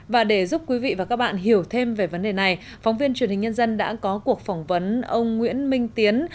và để giúp quý vị và các bạn hiểu thêm về vấn đề này phóng viên truyền hình nhân dân đã có cuộc phỏng vấn ông nguyễn minh tiến